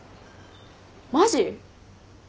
マジ？